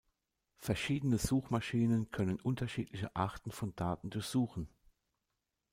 Verschiedene Suchmaschinen können unterschiedliche Arten von Daten durchsuchen.